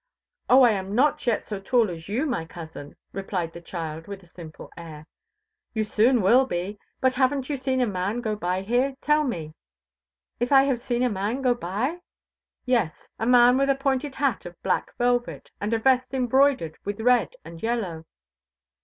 "Oh! I am not yet so tall as you, my cousin," replied the child with a simple air. "You soon will be. But haven't you seen a man go by here, tell me?" "If I have seen a man go by?" "Yes, a man with a pointed hat of black velvet, and a vest embroidered with red and yellow."